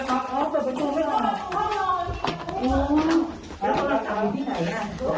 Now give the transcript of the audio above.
เยี่ยมด้วยกระทั่งสดทน่ะครับ